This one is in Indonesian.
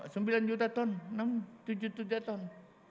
sembilan juta ton enam tujuh tujuh ton